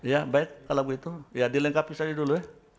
ya baik kalau begitu ya dilengkapi saja dulu ya